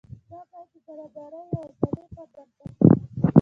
دا باید د برابرۍ او ازادۍ پر بنسټ وي.